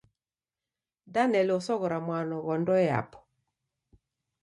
Daneli osoghora mwano ghwa ndoe yapo.